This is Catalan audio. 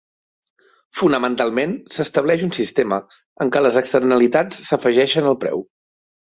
Fonamentalment s'estableix un sistema en què les externalitats s'afegeixen al preu.